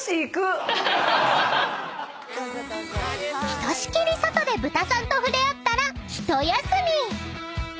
［ひとしきり外でブタさんと触れ合ったら一休み］